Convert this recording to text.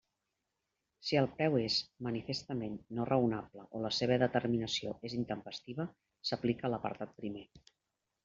Si el preu és manifestament no raonable o la seva determinació és intempestiva, s'aplica l'apartat primer.